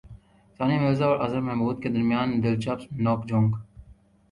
ثانیہ مرزا اور اظہر محمود کے درمیان دلچسپ نوک جھونک